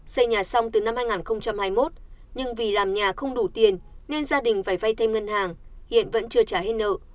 xây nhà xong từ năm hai nghìn hai mươi một nhưng vì làm nhà không đủ tiền nên gia đình phải vay thêm ngân hàng hiện vẫn chưa trả hết nợ